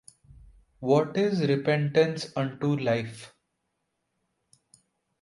What is repentance unto life?